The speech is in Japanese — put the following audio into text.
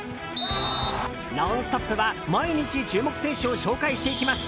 「ノンストップ！」は毎日注目選手を紹介していきます。